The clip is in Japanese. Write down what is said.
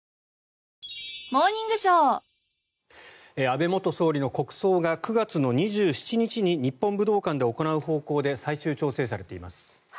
安倍元総理の国葬が９月２７日に日本武道館で行う方向で最終調整されています。